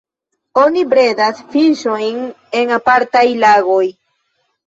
Oni bredas fiŝojn en apartaj lagoj.